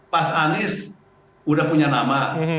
mas anies udah punya nama